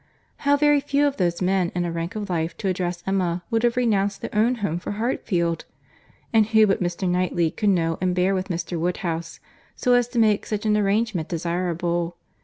—How very few of those men in a rank of life to address Emma would have renounced their own home for Hartfield! And who but Mr. Knightley could know and bear with Mr. Woodhouse, so as to make such an arrangement desirable!